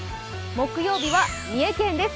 木曜日は三重県です。